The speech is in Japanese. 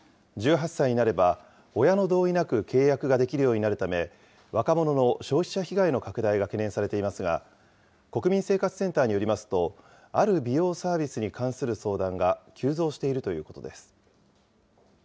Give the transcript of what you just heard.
１８歳になれば、親の同意なく契約ができるようになるため、若者の消費者被害の拡大が懸念されていますが、国民生活センターによりますと、ある美容サービスに関する相談が急増しているということです。